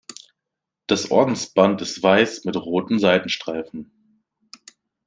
Das Ordensband ist weiß mit roten Seitenstreifen.